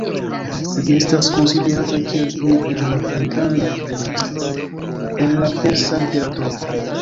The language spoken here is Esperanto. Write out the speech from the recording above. Li estas konsiderata kiel unu el la plej grandaj majstroj el la persa literaturo.